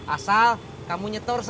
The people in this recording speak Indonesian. asal kamu nyetur tuh ya